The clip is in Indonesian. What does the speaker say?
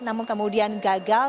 namun kemudian gagal